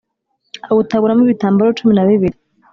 awutaburamo ibitambaro cumi na bibiri